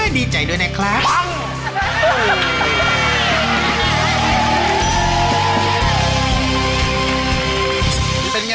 หมวกปีกดีกว่าหมวกปีกดีกว่า